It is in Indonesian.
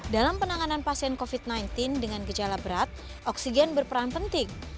dalam penanganan pasien covid sembilan belas dengan gejala berat oksigen berperan penting